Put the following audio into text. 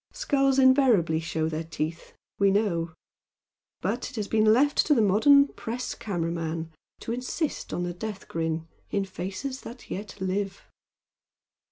Skulls invariably show their teeth, we know but it has been left to the modern press camera man to insist on the death grin in faces that yet live.